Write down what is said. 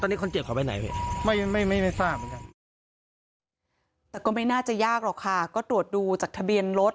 แต่ก็ไม่น่าจะยากหรอกค่ะก็ตรวจดูจากทะเบียนรถ